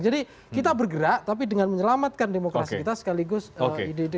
jadi kita bergerak tapi dengan menyelamatkan demokrasi kita sekaligus ide ide kebangsaan